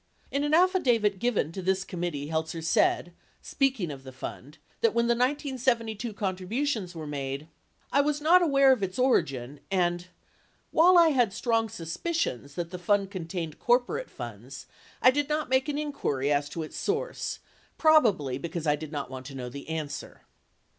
In an affidavit given to this committee, Heltzer said, speaking of the fund, that when the 1972 contributions were made, "I was not aware of its origin" and "while I had strong suspicions that the fund contained corporate funds, I did not make an inquiry as to its source, probably because I did not want to know the answer."